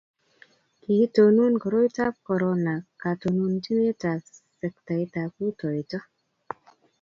Kiitonon koroitab korona katononchinetab sektaitab rutoiyo